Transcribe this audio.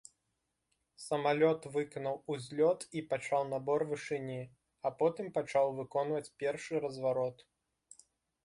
Самалёт выканаў узлёт і пачаў набор вышыні, а потым пачаў выконваць першы разварот.